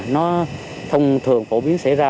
nó thông thường phổ biến xảy ra